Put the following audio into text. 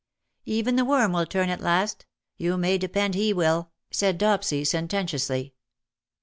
''" Even the worm will turn at last. You may depend he will/' said Dopsy sententiously.